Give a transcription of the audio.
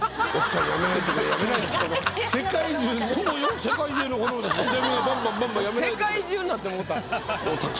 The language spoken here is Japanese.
世界中になってもうた。